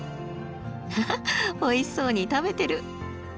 ハハッおいしそうに食べてる。